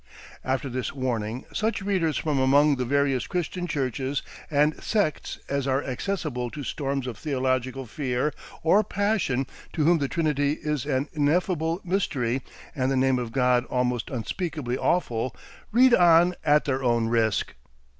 After this warning such readers from among the various Christian churches and sects as are accessible to storms of theological fear or passion to whom the Trinity is an ineffable mystery and the name of God almost unspeakably awful, read on at their own risk.